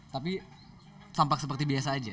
tapi tampak seperti biasa aja